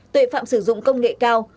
tội phạm sử dụng công nghệ cao